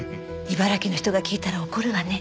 茨城の人が聞いたら怒るわね。